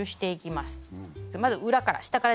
まず裏から下から。